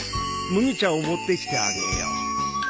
麦茶を持ってきてあげよう。